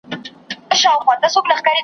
د سړک پر غاړه تور څادر رپېږي .